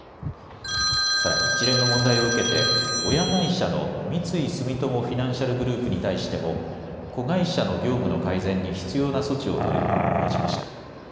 さらに一連の問題を受けて、親会社の三井住友フィナンシャルグループに対しても、子会社の業務の改善に必要な措置を取るよう命じました。